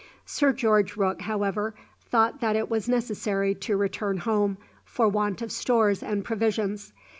Sir George Rooke, however, thought that it was necessary to return home for want of stores and provisions.